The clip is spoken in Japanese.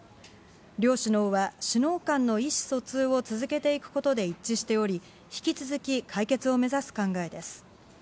両首脳は、首脳間の意思疎通を続けていくことで一致しており、引き続き解決を目指す考えです。